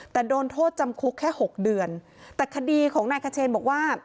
แต่โดนโทษจำคุกแค่หกเดือนแต่คดีของนายคเชนบอกว่า